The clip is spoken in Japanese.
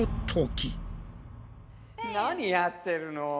何やってるの！